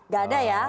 gak ada ya